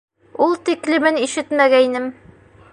Ул тиклемен ишетмәгәйнем.